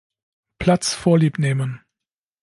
Platz vorliebnehmen.